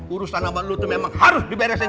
urusan nama lo tuh memang harus diberesin